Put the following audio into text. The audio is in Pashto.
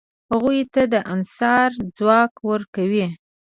هغوی ته د انحصار ځواک ورکوي.